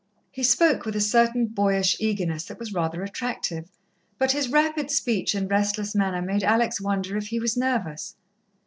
He spoke with a certain boyish eagerness that was rather attractive, but his rapid speech and restless manner made Alex wonder if he was nervous.